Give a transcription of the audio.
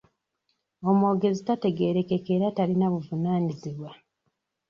Omwogezi tategeerekeka era talina buvunaanyizibwa.